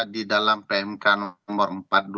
di dalam pmk nomor empat